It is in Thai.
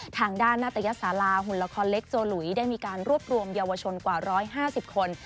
ทางด้านนัตยสาราหุ่นละครเล็กโจหลุยได้มีการรวบรวมเยาวชนกว่า๑๕๐คน